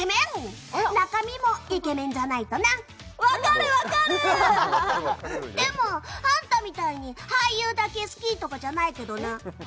あら中身もイケメンじゃないとな分かる分かるでもあんたみたいに俳優だけ好きとかじゃないけどな